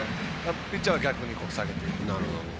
ピッチャーは逆に下げていく。